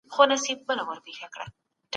پانګه باید راکده او بې کاره پاته نسي.